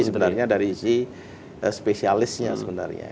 sebenarnya dari sisi spesialisnya sebenarnya